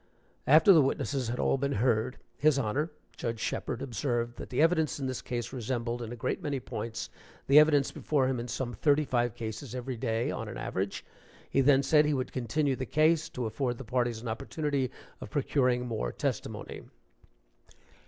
After the witnesses had all been heard, his Honor, Judge Sheperd, observed that the evidence in this case resembled, in a great many points, the evidence before him in some thirty five cases every day, on an average. He then said he would continue the case, to afford the parties an opportunity of procuring more testimony.